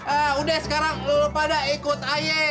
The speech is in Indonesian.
eh udah sekarang lo pada ikut aje